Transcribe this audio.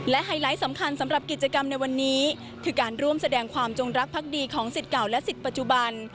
และไฮไลท์สำคัญสำหรับกิจกรรมในวันนี้คือการร่วมแสดงความจงรักพักดีของสิทธิ์เก่าและสิทธิ์ปัจจุบัน